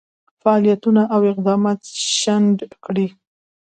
فعالیتونه او اقدامات شنډ کړي.